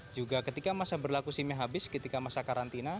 juga ketika masa berlaku simnya habis ketika masa karantina